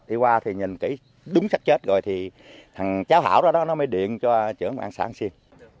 đi qua thì nhìn kỹ đúng xác chết rồi thì thằng cháu hảo đó nó mới điện cho trưởng an xuyên